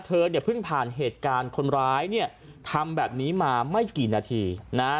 เธอเนี่ยเพิ่งผ่านเหตุการณ์คนร้ายเนี่ยทำแบบนี้มาไม่กี่นาทีนะฮะ